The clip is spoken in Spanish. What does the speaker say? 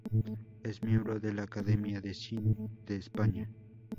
Es miembro de la Academia de Cine de España.